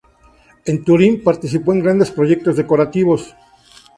En Turín participó en grandes proyectos decorativos.